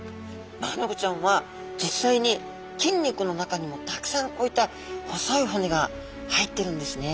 マアナゴちゃんは実際に筋肉の中にもたくさんこういった細い骨が入ってるんですね。